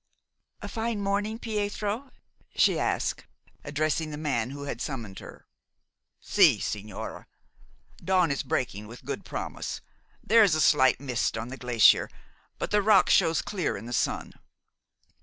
"A fine morning, Pietro?" she asked, addressing the man who had summoned her. "Si, sigñora. Dawn is breaking with good promise. There is a slight mist on the glacier; but the rock shows clear in the sun."